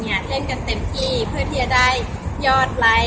เนี่ยเล่นกันเต็มที่เพื่อที่จะได้ยอด